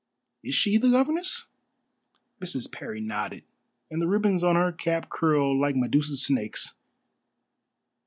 "Is she the governess?" Mrs. Parry nodded, and the ribbons on her cap curled like Medusa's snakes.